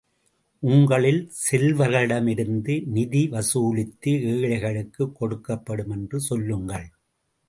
உங்களில் செல்வர்களிடமிருந்து நிதி வசூலித்து, ஏழைகளுக்குக் கொடுக்கப்படும் என்று சொல்லுங்கள்.